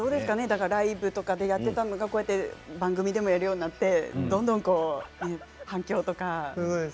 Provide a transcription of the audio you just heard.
ライブでやっていたのが番組でやるようになってどんどん反響とか。